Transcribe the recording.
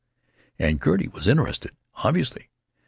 And Gertie was interested. Obviously.